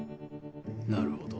なるほど。